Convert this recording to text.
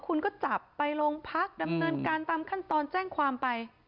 คุณก็จับไปโรงพักดำเนินการตามขั้นตอนแจ้งความไป